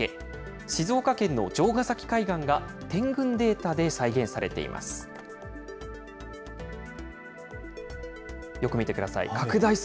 静岡県の城ヶ崎海岸が点群データで再現されています。